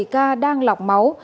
bảy ca đang lọc máu